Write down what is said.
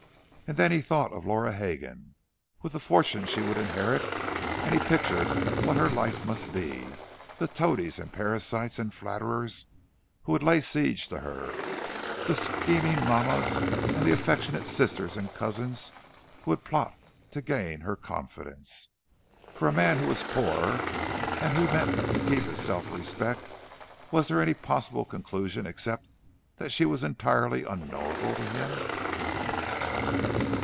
And then he thought of Laura Hegan, with the fortune she would inherit; and he pictured what her life must be—the toadies and parasites and flatterers who would lay siege to her—the scheming mammas and the affectionate sisters and cousins who would plot to gain her confidence! For a man who was poor, and who meant to keep his self respect, was there any possible conclusion except that she was entirely unknowable to him?